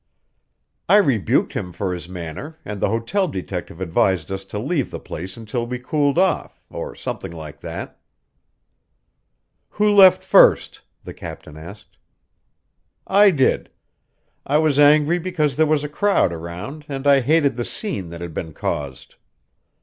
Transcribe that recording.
I rebuked him for his manner, and the hotel detective advised us to leave the place until we cooled off, or something like that." "Who left first?" the captain asked. "I did. I was angry because there was a crowd around and I hated the scene that had been caused.